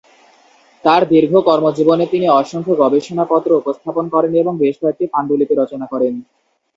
তাঁর দীর্ঘ কর্মজীবনে তিনি অসংখ্য গবেষণাপত্র উপস্থাপন করেন এবং বেশ কয়েকটি পান্ডুলিপি রচনা করেন।